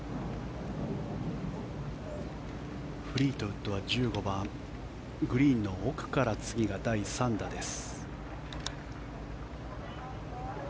フリートウッドは１５番グリーンの奥から次が第３打です。